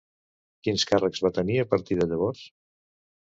Quins càrrecs va tenir a partir de llavors?